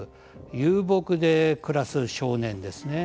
遊牧で暮らす少年ですね。